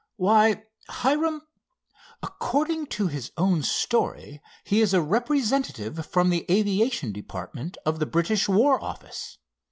"Why, Hiram, according to his own story he is a representative from the aviation department of the British war office.